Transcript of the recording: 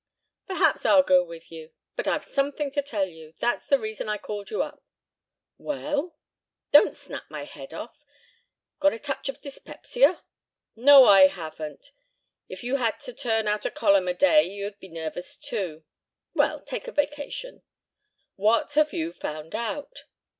"Perhaps I'll go with you. But I've something to tell you. That's the reason I called you up " "Well?" "Don't snap my head off. Got a touch of dyspepsia?" "No, I haven't. If you had to turn out a column a day you'd be nervous too." "Well, take a vacation " "What have you found out?"